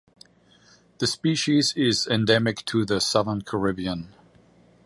The species is endemic to the southern Caribbean.